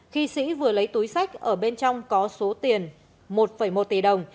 khi sĩ vừa lấy túi sách ở bên trong có số tiền một một tỷ đồng